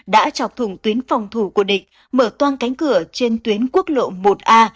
đã chọc thủng tuyến phòng thủ của địch mở toan cánh cửa trên tuyến quốc lộ một a